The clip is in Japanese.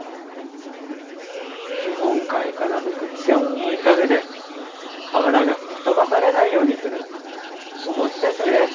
日本海から吹く強い風で瓦が吹き飛ばされないようにするおもしですね。